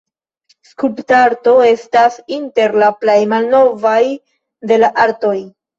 Skulptarto estas inter la plej malnovaj de la artoj.